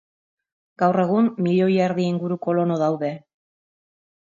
Gaur egun, miloi erdi inguru kolono daude.